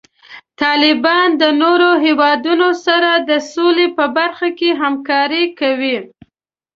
طالبان د نورو هیوادونو سره د سولې په برخه کې همکاري کوي.